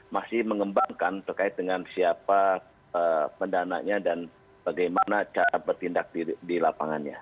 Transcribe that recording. masih mengembangkan terkait dengan siapa pendananya dan bagaimana cara bertindak di lapangannya